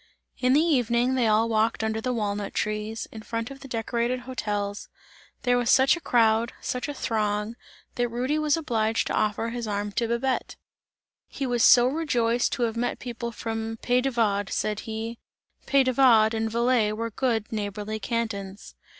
In the evening, they all walked under the walnut trees, in front of the decorated hôtels; there was such a crowd, such a throng, that Rudy was obliged to offer his arm to Babette. "He was so rejoiced to have met people from Pays de Vaud," said he, "Pays de Vaud and Valais were good neighbourly cantons."